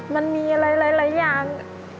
มันมีอะไรอย่าง